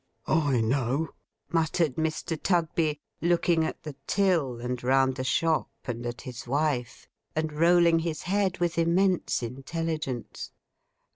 'I know,' muttered Mr. Tugby; looking at the till, and round the shop, and at his wife; and rolling his head with immense intelligence.